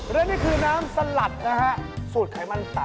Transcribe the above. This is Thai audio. และนี่คือน้ำสลัดนะฮะสูตรไขมันต่ำ